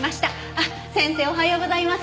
あっ先生おはようございます。